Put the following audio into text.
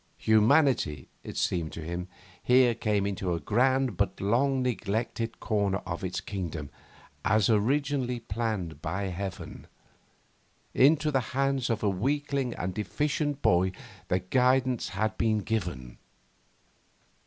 Humanity, it seemed to him, here came into a grand but long neglected corner of its kingdom as originally planned by Heaven. Into the hands of a weakling and deficient boy the guidance had been given.